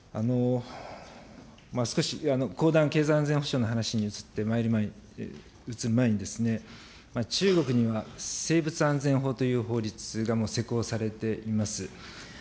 少し、後段、経済安全保障の話に移って、移る前にですね、中国には生物安全法という法律が施行されております。